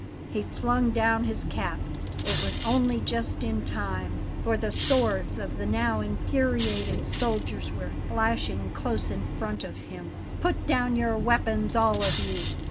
He flung down his cap. It was only just in time, for the swords of the now infuriated soldiers were flashing close in front of him. "Put down your weapons, all of you!"